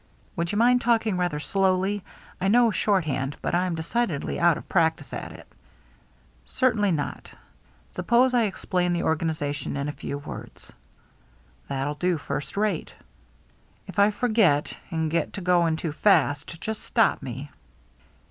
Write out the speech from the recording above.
"Would you mind talking rather slowly? I know shorthand, but I'm decidedly out of practice at it." HARBOR LIGHTS 387 " Certainly not. Suppose I explain the or ganization in. a few words." " That'll do first rate." " If I forget and get to going too fast, just stop me.